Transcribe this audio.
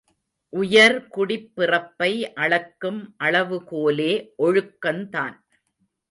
உயர்குடிப்பிறப்பை அளக்கும் அளவுகோலே ஒழுக்கந்தான்.